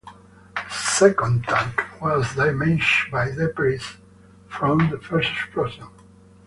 The second tank was damaged by debris from the first explosion.